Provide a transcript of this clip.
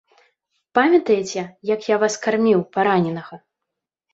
Памятаеце, як я вас карміў параненага?